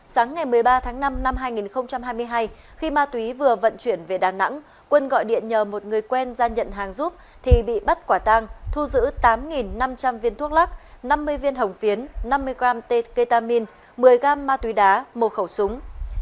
sáng ngày một mươi ba tháng năm năm hai nghìn hai mươi hai khi ma túy vừa vận chuyển về đà nẵng quân gọi điện nhờ một người quen ra nhận hàng giúp thì bị bắt quả tang thu giữ tám năm trăm linh viên thuốc lắc năm mươi viên hồng phiến năm mươi gram ketamin một mươi gram ma túy đá một khẩu súng